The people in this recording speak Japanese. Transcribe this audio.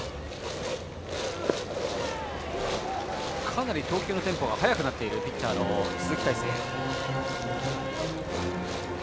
かなり投球のテンポが速くなっているピッチャーの鈴木泰成。